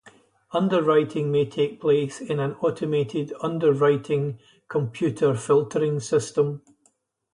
Underwriting may take place in an automated underwriting computer filtering system.